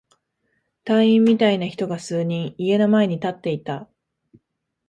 隊員みたいな人が数人、家の前に立っていた。